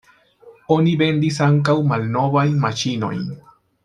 Oni vendis ankaŭ malnovajn maŝinojn.